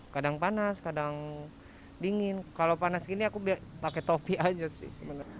kadang panas kadang dingin kalau panas gini aku pakai topi aja sih sebenarnya